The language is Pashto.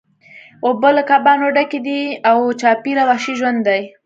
اوبه له کبانو ډکې دي او چاپیره وحشي ژوند دی